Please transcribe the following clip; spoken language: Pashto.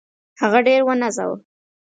هغه ډېر ونازاوه.